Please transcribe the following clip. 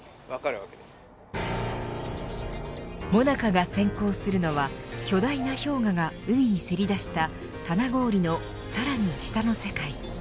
ＭＯＮＡＣＡが潜航するのは巨大な氷河が海にせり出した棚氷のさらに下の世界。